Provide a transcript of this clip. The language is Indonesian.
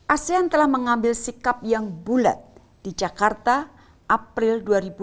asean telah mengambil sikap yang bulat di jakarta april dua ribu dua puluh